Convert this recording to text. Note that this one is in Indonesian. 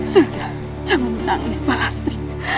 sudah jangan menangis palastri